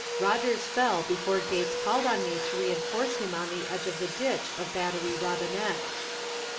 Rodgers fell before Gates called on me to reënforce him on the edge of the ditch of Battery Robbinet."